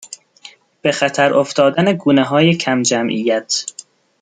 به خطر افتادن گونههای کمجمعیت